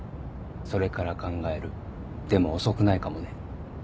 それから考えるでも遅くないかもね。